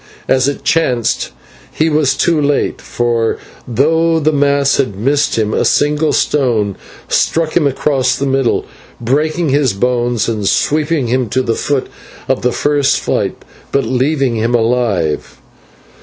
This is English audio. As it chanced he was too late, for though the mass had missed him, a single stone struck him across the middle, breaking his bones and sweeping him to the foot of the first flight, but leaving him alive.